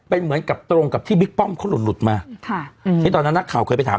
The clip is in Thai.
เป็นเหมือนกับตรงกับที่บิ๊กป้อมเขาหลุดหลุดมาค่ะอืมที่ตอนนั้นนักข่าวเคยไปถาม